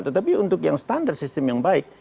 tetapi untuk yang standar sistem yang baik